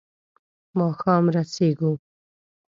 ماښام رسېږو.